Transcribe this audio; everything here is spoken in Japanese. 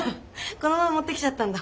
このまま持ってきちゃったんだ。